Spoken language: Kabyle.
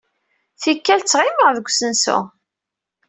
Tikkal, ttɣimiɣ deg usensu.